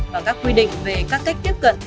và các quy định về các cách tiếp cận